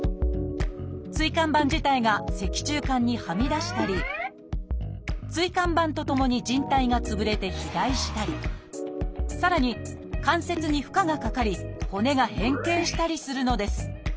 椎間板自体が脊柱管にはみ出したり椎間板とともにじん帯が潰れて肥大したりさらに関節に負荷がかかり骨が変形したりするのです。